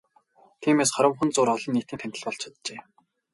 Тиймээс хоромхон зуур олон нийтийн танил болж чаджээ.